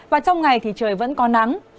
và trong ngày thì trời vẫn có nắng